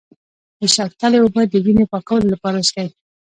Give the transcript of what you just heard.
د شوتلې اوبه د وینې پاکولو لپاره وڅښئ